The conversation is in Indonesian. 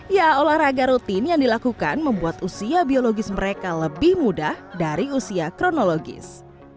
ya olahraga rutin yang dilakukan membuat usia biologis mereka lebih mudah dari usia kronologis